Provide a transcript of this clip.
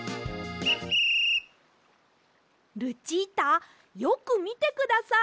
ルチータよくみてください。